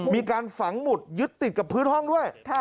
มีการฝังหมุดยึดติดกับพื้นห้องด้วย